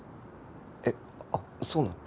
えっあっそうなの？